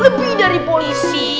lebih dari polisi